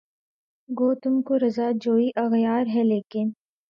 گو تم کو رضا جوئیِ اغیار ہے لیکن